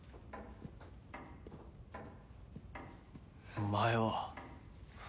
お前は！